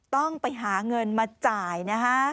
ต้องไปหาเงินมาจ่ายนะฮะ